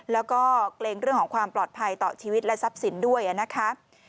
แล้วก็เกรงเรื่องของความปลอดภัยต่อชีวิตและทรัพย์สินด้วยนะคะ